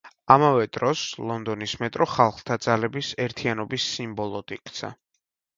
ამავე დროს, ლონდონის მეტრო ხალხთა ძალების ერთიანობის სიმბოლოდ იქცა.